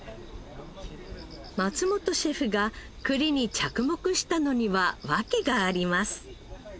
松本シェフが栗に着目したのには訳があります。